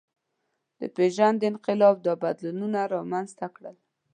د پېژند انقلاب دا بدلونونه رامنځ ته کړل.